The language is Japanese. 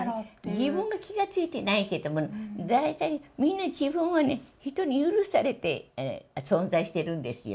自分が気が付いてないけども、大体みんな自分はね、人に許されて存在してるんですよ。